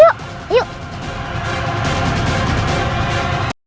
sama sama dengan kamu